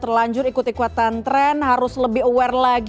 tinggal cari kendaraan tinggal cari metode yang tepat